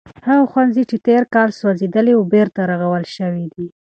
هغه ښوونځی چې تیر کال سوځېدلی و بېرته رغول شوی دی.